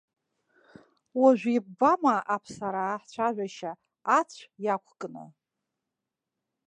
Уажә иббама аԥсараа ҳцәажәашьа, ацә иақәкны.